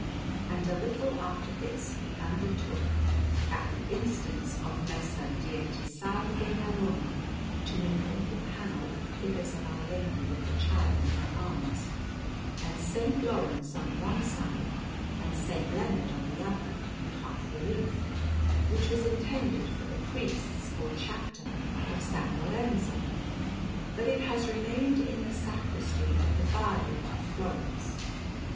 And a little after this he undertook, at the instance of Messer Dietisalvi Neroni, to make a little panel with figures of Our Lady with the Child in her arms, and S. Laurence on one side and S. Leonard on the other, in half relief, which was intended for the priests or chapter of S. Lorenzo; but it has remained in the Sacristy of the Badia of Florence.